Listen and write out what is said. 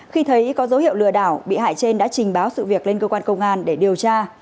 khi thấy có dấu hiệu lừa đảo bị hại trên đã trình báo sự việc lên cơ quan công an để điều tra